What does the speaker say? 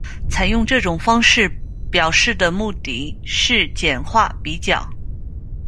采用这种方式表示的目的是简化比较。